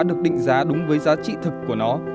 được định giá đúng với giá trị thực của nó